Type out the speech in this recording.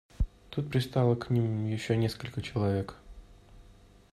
Тут пристало к ним еще несколько человек.